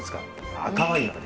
赤ワイン！？